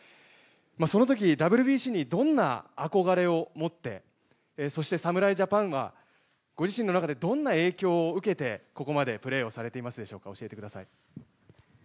その時、ＷＢＣにどんな憧れを持ってそして侍ジャパンはご自身の中でどんな影響を受けてここまでプレーをされていますでしょうか。